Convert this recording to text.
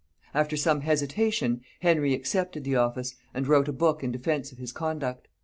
After some hesitation, Henry accepted the office, and wrote a book in defence of his conduct.